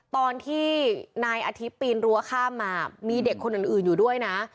ตอนที่นายอาทิตย์ปีนรั้วข้ามมามีเด็กคนอื่นอยู่ด้วยนะ